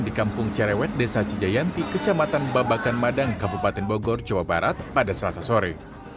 di kampung cerewet desa cijayanti kecamatan babakan madang kabupaten bogor jawa barat pada selasa sore